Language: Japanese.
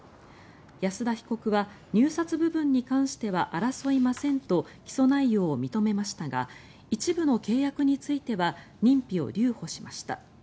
安田被告は入札部分に関しては争いませんと起訴内容を認めましたが一部の契約については認否を留保しました。